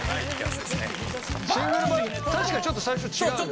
シングルバージョン確かにちょっと最初違うよね。